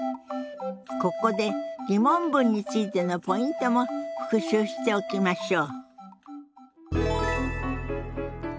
ここで疑問文についてのポイントも復習しておきましょう。